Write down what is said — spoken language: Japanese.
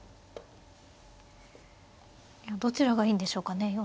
どちらがいいんでしょうかね。